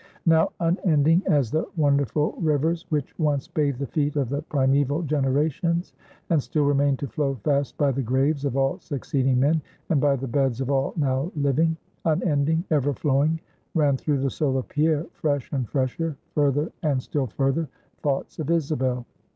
Now, unending as the wonderful rivers, which once bathed the feet of the primeval generations, and still remain to flow fast by the graves of all succeeding men, and by the beds of all now living; unending, ever flowing, ran through the soul of Pierre, fresh and fresher, further and still further, thoughts of Isabel.